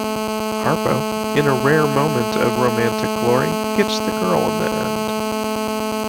Harpo, in a rare moment of romantic glory, gets the girl in the end.